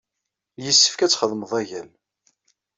Yessefk ad txedmeḍ agal.